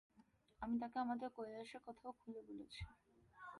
আমি তাঁকে আমাদের কৈলাসের কথাও খুলে বলেছি।